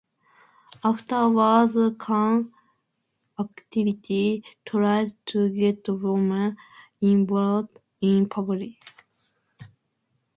Afterwards, Kahn actively tried to get women involved in politics.